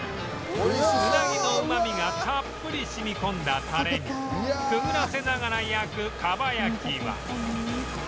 うなぎのうまみがたっぷり染み込んだたれにくぐらせながら焼く蒲焼きは